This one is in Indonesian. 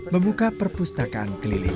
membuka perpustakaan keliling